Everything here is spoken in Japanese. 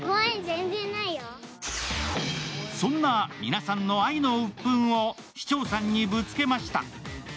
そんな皆さんの愛のウップンを市長さんにぶつけました。